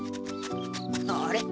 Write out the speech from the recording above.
あれ？